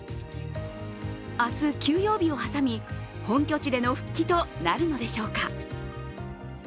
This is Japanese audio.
明日、休養日を挟み、本拠地での復帰となるのでしょうか。